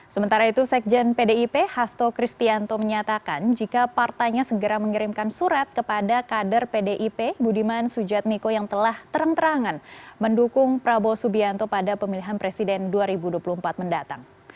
sementara itu sekjen pdip hasto kristianto menyatakan jika partainya segera mengirimkan surat kepada kader pdip budiman sujatmiko yang telah terang terangan mendukung prabowo subianto pada pemilihan presiden dua ribu dua puluh empat mendatang